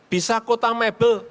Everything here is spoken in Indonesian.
bisa kota mebel